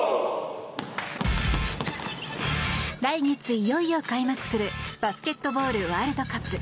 来月いよいよ開幕するバスケットボールワールドカップ。